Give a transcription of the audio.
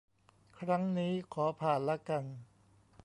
ครั้งนี้ขอผ่านละกัน